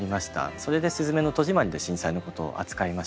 それで「すずめの戸締まり」で震災のことを扱いました。